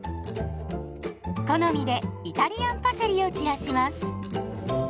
好みでイタリアンパセリを散らします。